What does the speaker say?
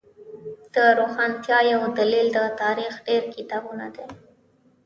د روښانتیا یو دلیل د تاریخ ډیر کتابونه دی